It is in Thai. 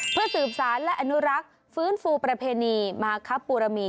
เพื่อสืบสารและอนุรักษ์ฟื้นฟูประเพณีมาครับปูรมี